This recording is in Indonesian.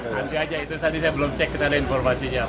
nanti aja itu tadi saya belum cek kesana informasinya